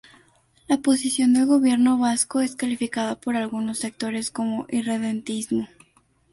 La posición del Gobierno Vasco es calificada por algunos sectores como irredentismo.